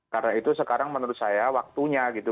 karena itu sekarang menurut saya waktunya gitu